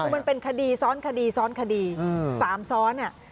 มันเป็นคดีซ้อนคดีซ้อนคดีซ้อมซ้อน